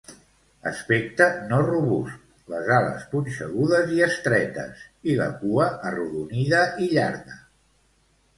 Aspecte no robust, les ales punxegudes i estretes, i la cua arrodonida i llarga.